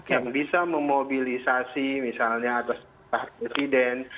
yang bisa memobilisasi misalnya atau setah presiden